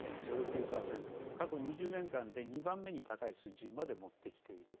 過去２０年間で２番目に高い水準まで持ってきている。